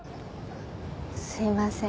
すいません。